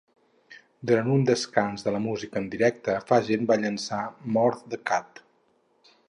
Durant un descans de la música en directa, Fagen va llençar "Morph the Cat".